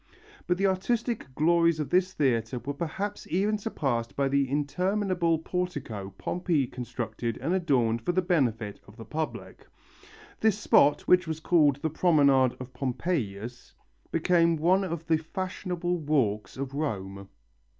But the artistic glories of this theatre were perhaps even surpassed by the interminable portico Pompey constructed and adorned for the benefit of the public. This spot, which was called the Promenade of Pompeius, became one of the fashionable walks of Rome.